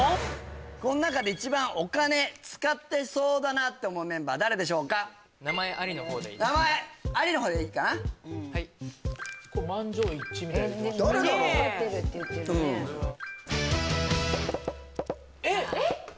このなかで一番お金使ってそうだなって思うメンバー誰でしょうか名前ありのほうでいいんですか名前ありのほうでいいかなはいこれ満場一致みたいな誰だろうえっえっ